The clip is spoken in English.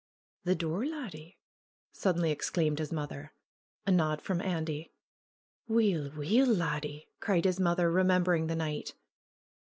"The door, laddie!" suddenly exclaimed his mother. A nod from Andy. "Weel, weel, laddie !" cried his mother, remembering the night.